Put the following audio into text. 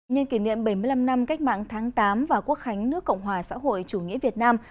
nhân kỷ niệm bảy mươi năm năm cách mạng tháng tám và quốc khánh nước cộng hòa xã hội chủ nghĩa việt nam